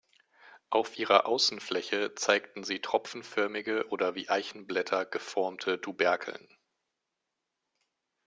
Auf ihrer Außenfläche zeigten sie tropfenförmige oder wie Eichenblätter geformte Tuberkeln.